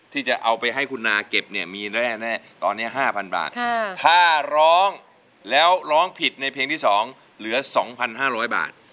ที่จะเอาไปให้คุณนาเก็บเนี่ยมีแร่แน่ตอนเนี้ยห้าพันบาทค่ะถ้าร้องแล้วร้องผิดในเพลงที่สองเหลือสองพันห้าร้อยบาท